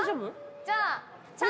じゃあ。